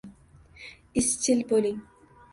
Izchil bo‘ling.